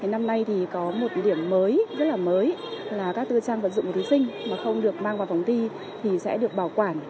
năm nay thì có một điểm mới rất là mới là các tư trang vận dụng của thí sinh mà không được mang vào phòng thi thì sẽ được bảo quản